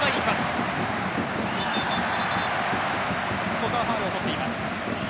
ここはファウルを取っています。